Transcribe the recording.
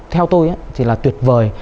theo tôi thì là tuyệt vời